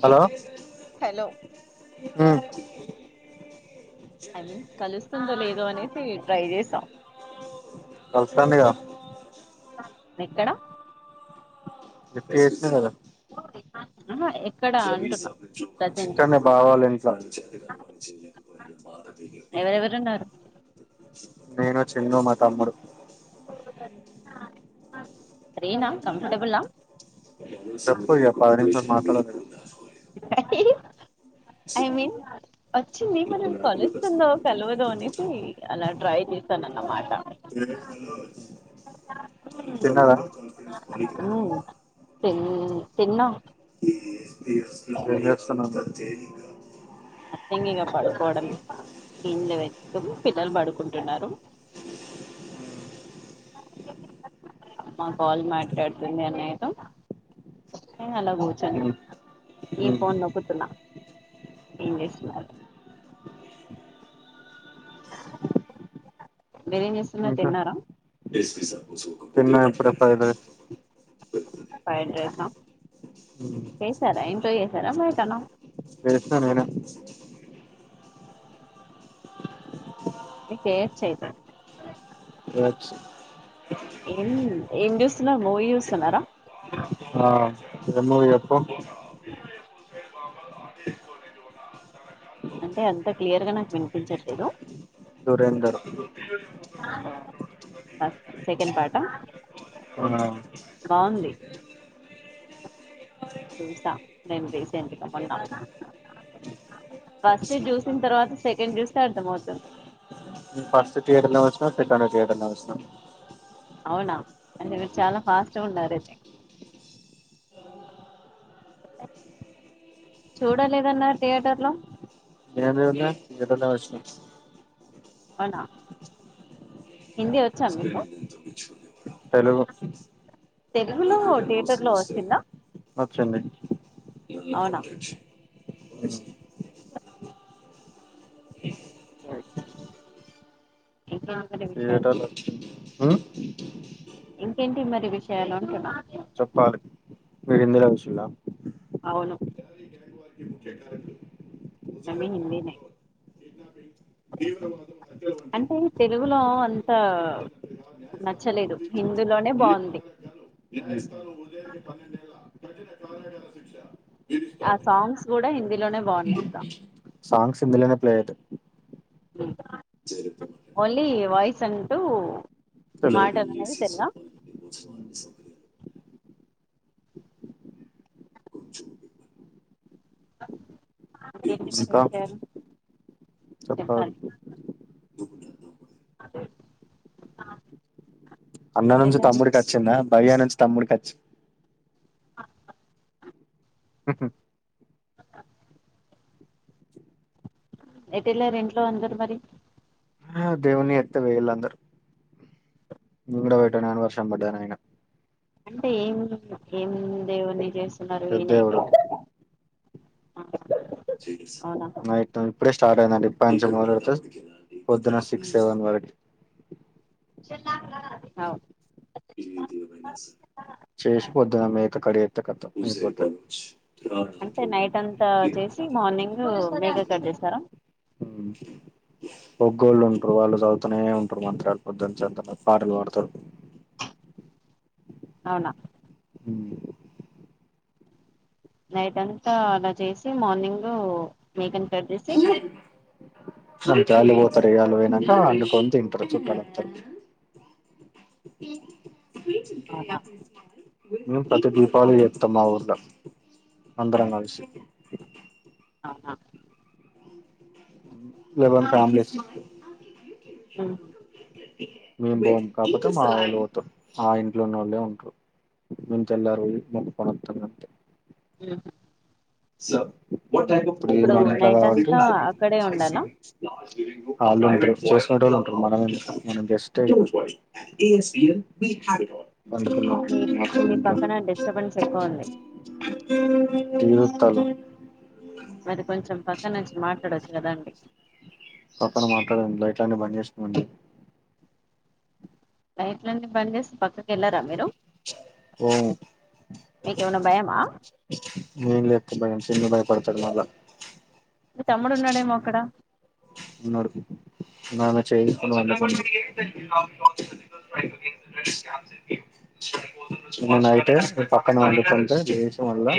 Hello hello I mean కలుస్తుందో లేదో అనేసి ట్రై చేస కలుస్తమిగ ఎక్కడ [unintelligible] ఆహా ఎక్కడ అంటున్నా ప్రజెంట్ బావ వల్ల ఇంట్లో ఎవరెవరున్నారు నేను చిన్నూ మా తమ్ముడు ఫ్రీన కంఫర్టబుల [unintelligible] అ ఐ మీన్ వచ్చింది మనం కలుస్తుందో కలవదో అనేసి అలా ట్రై జేసానన్న మాట గణేష్ ముందు పెడతా తిన్నర తిన్ తిన్నా ఏం జేస్తున్నారు నత్తింగ్ ఇగ పడుకోవడమే దిండు వెట్టుకొని పిల్లలు బడుకుంటున్నారు అమ్మ కాల్ మాట్లాడుతుంది అన్నయ్యతో నేన్ అలా కూర్చోని ఉమ్ ఇగ ఉమ్ ఫోన్ నొక్కుతున్నా ఏం జేస్తున్నారు మీరేం చేస్తున్నారు ఇంకా తిన్నారా తిన్నా ఇప్పుడే ఫ్రైడ్ రైస్ ఫ్రైడ్ రైసా చేసారా ఇంట్లో చేసారా బయటన చేసిన నేనే మీకేం చెయ్యతది ఏం ఏం చూస్తున్నారు? మూవీ చూస్తున్నరా ఆ ఏం మూవీ జెప్పు అంటే అంత క్లియర్ గా నాకు వినిపించట్లేదు దురేందర్ ఫస్ట్ సెకెండ్ పార్టా అవునా బావుంది చూసా నేను రీసెంట్గా మొన్న ఫస్ట్ ది జూసిన్ తర్వాత సెకండ్ జూస్తే అర్థం అవుతుంది నేన్ ఫస్ట్ ది థియేటర్ లోనే చూసిన సెకండ్ ది థియేటర్ లోనే చూసిన అవునా అంటే మీరు చాలా ఫాస్ట్గా ఉన్నారయితే చూడలేదన్నారు థియేటర్ లో ఎవరు జూడ్లే థియేటర్ లో చూసిన అవునా హిందీ వచ్చా మీకు తెలుగు తెలుగులో థియేటర్ లో వచ్చిందా అవునా వచ్చింది ఒకే ఇంకా థియేటర్ లో అచ్చింది ఉమ్ ఇంకేంటి మరి విషయాలు అంటున్న చెప్పాలి మీరు హిందీలో చూసిన్లా అవును కాని హిందీ నే తీవ్రవాదం అంటే తెలుగులో అంతా నచ్చలేదు హిందులోనే బాగుంది ఆ సాంగ్స్ కూడా హిందీలోనే బాగున్నాయి కదా సాంగ్స్ హిందీలోనే ప్లే అయితాయి మ్మ్ ఓన్లీ వాయిస్సంటూ తెలుగు మాటలనేది తెలుగా. ఎంటి మరి ఇంకా విషయాలు చెప్పాలి అదే [unintelligible] అన్న నుంచి తమ్ముడికచ్చిందా భయ్యా నుంచి తమ్ముడికచ్చి ఆ [unintelligible] ఎటెళ్ళారు ఇంట్లో అందరు మరి హ దేవుని ఎత్తు పోయిళ్ళు అందరూ నువ్వు కూడా పెట్టు [unintelligible] వర్షం పడ్డది నాయన అంటే ఏం ఏం దేవుని చేస్తున్నారు పెద్ద దేవుడు వినాయకు [unintelligible] ఆ నైట్ ఇప్పుడే స్టార్ట్ అయిందండి ఇప్పన్నుంచి మొదల్డితే పొద్దున సిక్స్ సెవన్ వరకి ఆవ్ చేసిపోద్దున మేక కడిగేత్తే కతమ్ అంటే నైట్ అంతా చేసి మార్నింగ్ మేక కట్ చేస్తారా హుమ్ ఒగ్గోలులుంటారు వాళ్ళు చదుతనే ఉంటారు మంత్రాలు పొద్దన్చంత పాటలు పాడతారు. అవునా నైటన్తా అలా చేసి మార్నింగు మేకని పెట్టేసి. ఆళ్ళు చాలి పోతారు ఇగాళ్లు పోయినాకా అండుకొని తింటారు చుట్టాలోత్తరు. [inaudible] ించ అ అవునా వి [inaudible] మేం ప్రతి దీపావలి జేత్తం మా ఊర్లో అందరం కల్సి. అహా లెవెన్ కామ్లెస్స్ ఉహూ మేం బం కతక, మా ఒళ్ళు పోతురు ఆ ఇంట్లో ఉన్నోళ్లే ఉంటారు. మేం తెల్లారిపోయి మొక్కుకొనోత్తం గంతే ఉహు ఇది ఇప్పుడు మన ఇంట్లో నైట్ కాబట్టి. అంతా అక్కడే ఉండాలా ఆల్లుంటారు, చేసేటోల్లుంటారు, మనమెందుకు నేను [unintelligible] స్ట్. మీ మీ పక్కన డిస్టర్బెన్స్ ఎక్కువ ఉంది [unintelligible] తిరుత్తలే మరి కొంచెం పక్కనోచ్చి మాట్లాడొచ్చు కదాండి పక్కన మాట్లాడడానికి లైట్లన్ని బంద్ చేసుకోండి లైట్లని బంద్ చేస్తే పక్కకేల్లరా మీరు ఓ మీకేమైనా భయమా నేన్ లేప్తే భయం చిన్ను భయపడతాడు మళ్ళా మీ తమ్ముడున్నాడేమో అక్కడ ఉన్నడు నాలా చేయించుకోండ. [unintelligible] [inaudible] ఏమన్న అయితే ని పక్కన పండుకుంటే లేషి మల్ల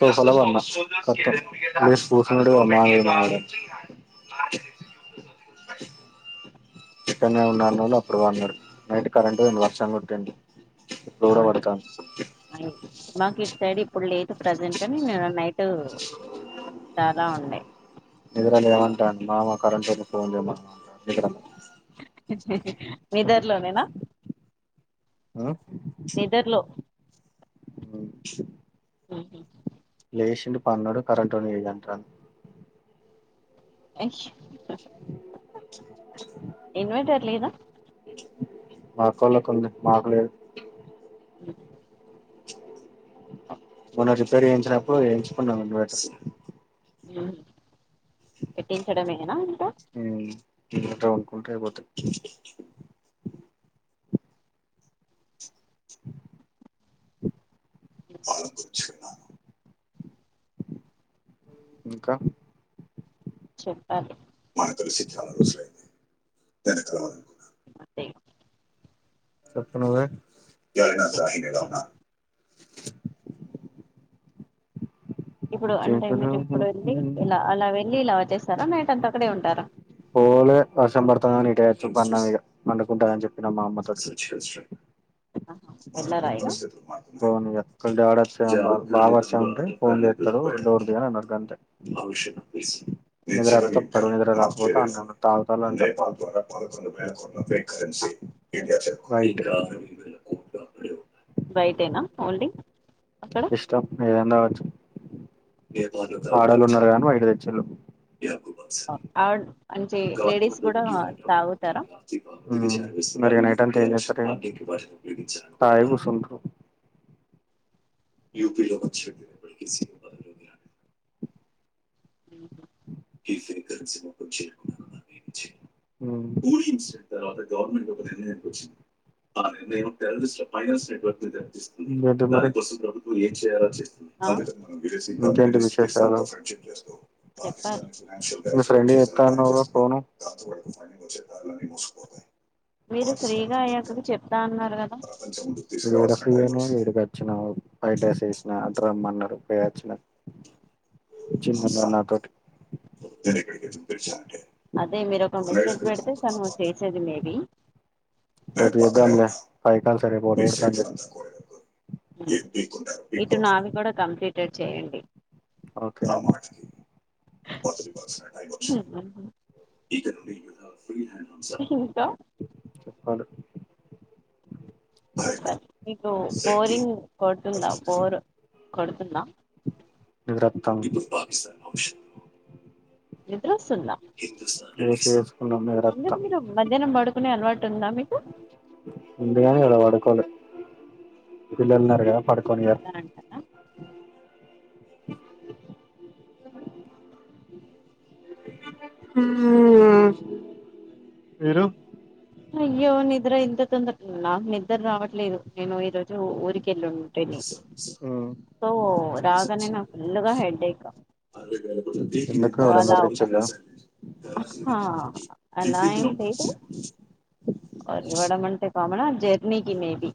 సోఫాల ఉమ్, పన్న ఖతం లేచి కూర్చునుడు మాఆవిడ [unintelligible] అ ఇక్కడ్నే ఉన్నవన్నోళ్ళు అప్పుడు పన్నరు, నైట్ కరెంట్ పోయింది వర్షం గొట్టింది అవునా అయి మాకు ఇటు సైడ్ ఇప్పుడు లేదు ప్రజెంట్ గని నా నైట్ [inaudible] చాలా ఉండాయ్ నిద్దరాక ఏమంటాండు మామ కరెంటోనికి ఫోన్ చేయ్ మామ అంటాండు [unintelligible] నిదర్లో నేనా ఆ అవును ఉమ్ హ్ లేషిండు పన్నడు కరెంటోనికి చెయ్ అంటాడు ఇన్వర్టర్ లేదా మాక్కోళ్లకు ఉంది మాకు లేదు ఉమ్ మొన్న రిపేర్ చేయించిన్నప్పుడు వేయించుకున్నమం ఇన్వర్టర్ ఉమ్ పెట్టించడమేనా ఇంకా ఉమ్ ఇన్వర్టర్ కొన్నుక్కుంటే అయిపోతది [unintelligible] కుచ్చున్నా ఇంకా చెప్పాలి కలిసి చాలా రోజులైంది [unintelligible] అంతె చెప్పు నువ్వే అంతే ఇప్పుడు అంటే మీరిప్పుడు వెళ్ళి ఇలా అలా వెళ్ళి ఇలా వచ్చేస్తారా నైట్ అంతక్కడే ఉంటారా పోలే వర్షం పడతదని ఇటే అచ్చి పన్నం ఇగ, పండుకుంటడని చెప్పిన మా అమ్మతోని ఆహా, వెళ్ళరా ఉమ్ ఇగ పోనిగా ఒకవేళ డాడ్ అత్తె బాగ వర్షం ఉంటే బ ఫోన్ చేత్తడు దోర్ దీ అని అన్నడు గంతే నిదరేదోత్తడి నిదర రాదు [unintelligible] తగుతాల్లంటే [unintelligible] [unintelligible] బయటేనా ఓన్లీ అక్కడ ఇష్టం ఏదన్నా గావచ్చు ఆడోళ్ళు ఉన్నరు గదా అని వైట్ దేచ్చిళ్ళు ఆడ్ అంటే లేడీస్ గూడ తాగుతరా ఉమ్ మరిగ నైట్ అంత ఏం చెత్తరిగా తాగి గుసుంట్రు యూపిపీలో మచ్చషడనే బలక సిీ బదగిరా ఉమ్ ఈ ఫ్రీకరన్సీని చే ఉమ్ ఇంకేంటి మరి ఆ ఇంకేంటి విశేషాలు చెప్పాలి మిస్ ఫ్రెండ్ కి చెత్తాన్నవ్ కదా ఫోను మీరు ఫ్రీగా అయ్యాక చెప్తా అన్నారు కదా [unintelligible] నువ్వ ఏమో ఇటికి వచ్చినవ్ వైట్ డ్రెస్ వేసినా అటు రమ్మన్నారు పేయచ్చిన వచ్చి మాట్లాడనాటక్ అదే మీరు ఒక మెసేజ్ పెడితే తను చేసేది మే బీ [unintelligible] ఇటు నావి కూడా కంప్లీటడ్ చేయండి ఒకే ఆమ ఇంకా చెప్పాలి చెప్ప మీకు బోరింగ్ కొడుతుందా బోర్ కొడుతుందా నిరతం పాకిస్తా ఆప్షన్ నిద్ర ఒస్తుందా రేస్ వేసుకున్నాం ఎందుకు నిద్రత్తాం మీరు మధ్యాహ్నం పడుకునే అలవాట్ టుందా మీకు ఎందుగని ఆడ వడుకోవాలె పిల్లలున్నారుగా పడుకోనియర్ అంటారా మీరు అయ్యో నిద్ర ఇంత తొందుట్లున్నా నాకు నిద్ర రావట్లేదు నేను ఈ రోజు ఊరికెళ్ళుం సో రాగానే నా ఫుల్ గా హెడేక్ ఎందుకు సో ఎవరన్నా అలా నర్ర ఒక ఇచ్చిర్ర ఆ ఫఫ నబర్ అవడమంటే కామనా జర్నీకి మేబి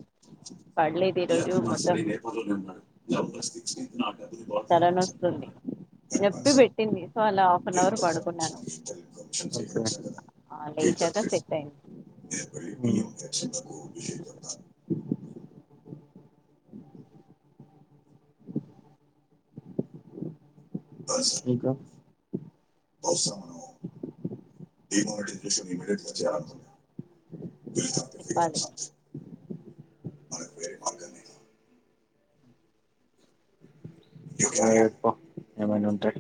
కు మసరపో మ శ తల నొస్తుంది నొప్పి పెట్టింది సో అలా హాఫ్ అన్ అవర్ పడుకున్నాను ఆ లేచాక సెట్ అయ్యింది ఎ ఇంకా డ్ వ చెప్పాలి మ మ నువ్వే ఎప్పు ఏమైన ఉంటె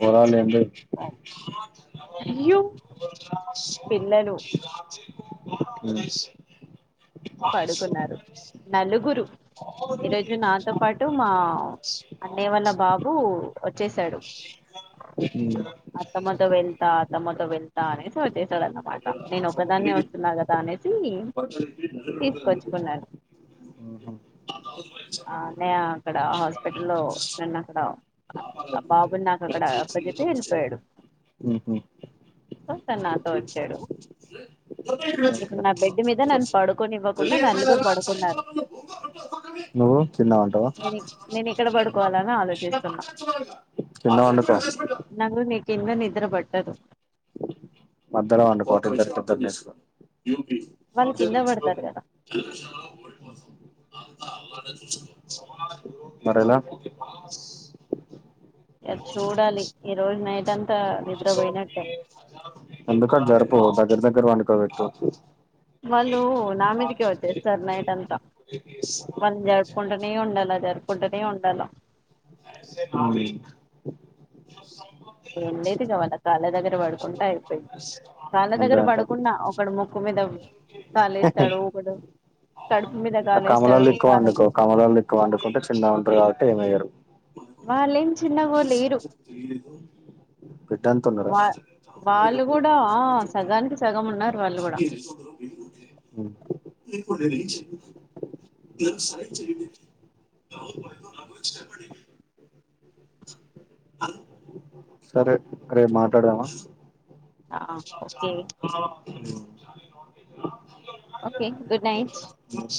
పోరాలేంది ఉ చెప్పాలి. అయ్యో పిల్లలు పడుకున్నారు నలుగురు ఈరోజు నాతో పాటు మా అన్నయ వాళ్ళ బాబు వచ్చేసాడు అత్తమ్మ తో ఉమ్ వెళ్తా అత్తమ్మతో వెళ్తా అనేసి వచ్ వచ్చేశాడన్నమాట నేను ఒక్కదాన్నే వస్తున్నా కదా అనే ప తీసుకొచ్చుకున్నాను అ నే అక్కడ హాస్పిటల్ల్లో నన్నక్కడ వెళ్ళిపోయాడు ఉహు సో తను నాతో వచ్చాడు ఒకే ఇప్పుడు నా బెడ్ మీద నన్ను పడుకోనివ్వకుండా నలుగురు పడుకున్నారు నువ్వు తిన్నా అంటావా నేను ఇక్- నేను ఎక్కడ పడుకోవాలని ఆలోచిస్తున్నా కింద వండుకో నాకు నీ కింద నిద్ర బట్టదు మధ్యల [unintelligible] పెద్దది చేసుకు వాళ్ళు కింద పడతారు కదా [unintelligible] మరేలా అది చూడాలి ఈ రోజు నైట్ అంతా నిద్రపోయినట్టే అందుకని జరపు దగ్గర దగ్గర వండుకోవెట్టొద్దు వాళ్ళు నా మీదికే వచ్చేస్తారు నైట్ అంతా వాల్నీ జరుపుకుంటనే ఉండాల జరుపుకుంటనే ఉండాల హు నేన్ లేపి ఇగ వాళ్ళ కాళ్లదగ్గర్ దగ్గ పడుకుంటా అయిపోయింది కాళ్ళ అంతే దగ్గర అంత పడుకున్నా ఒక ముక్కు ద కాల్ ఏస్తాడు కమల్లలెక్క వండుకో కమలల్లెక్కా వండుకుంటే చిన్న ఉంటారు కాబట్టి ఏమేయ్యరు వాళ్ళేం చిన్నగో లేరు బిడ్డ ఎంత ఉన్నారా వా వాళ్ళు కూడా ఆ సగానికి సగం ఉన్నారు వాళ్ళు కూడా హ్ [unintelligible] సరే రేప్ మాట్లాడదామా ఓకే [unintelligible] ఓకే గుడ్ నైట్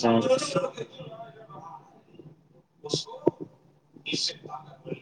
ఆహ్